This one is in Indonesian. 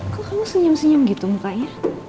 kok kamu senyum senyum gitu mukanya